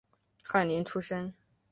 翰林出身。